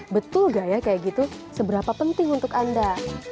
betul gak ya kayak gitu seberapa penting untuk anda